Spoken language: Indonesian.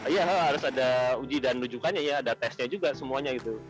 iya harus ada uji dan rujukannya ya ada tesnya juga semuanya gitu